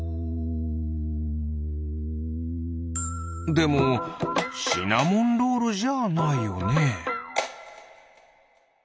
でもシナモンロールじゃないよね。